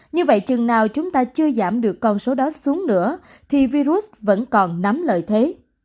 như vậy chừng nào chúng ta chưa giảm được con số đó xuống nữa thì virus vẫn còn nắm lợi thế